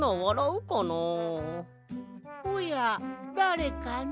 ・おやだれかの？